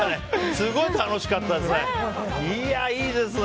すごいたのしかったですね。